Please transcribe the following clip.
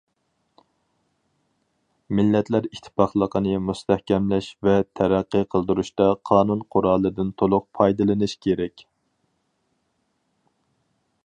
مىللەتلەر ئىتتىپاقلىقىنى مۇستەھكەملەش ۋە تەرەققىي قىلدۇرۇشتا قانۇن قورالىدىن تولۇق پايدىلىنىش كېرەك.